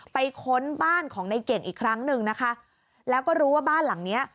ค้นบ้านของในเก่งอีกครั้งหนึ่งนะคะแล้วก็รู้ว่าบ้านหลังเนี้ย